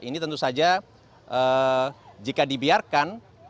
ini tentu saja jika dibiarkan